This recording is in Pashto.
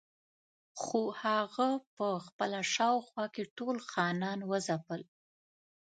خو هغه په خپله شاوخوا کې ټول خانان وځپل.